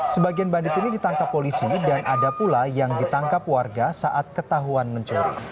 sebagian bandit ini ditangkap polisi dan ada pula yang ditangkap warga saat ketahuan mencuri